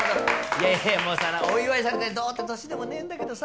いやいやもうさお祝いされてどうって年でもねえんだけどさ。